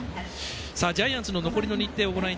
ジャイアンツの残りの日程